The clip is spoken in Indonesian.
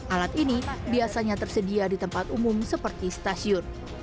alat ini biasanya tersedia di tempat umum seperti stasiun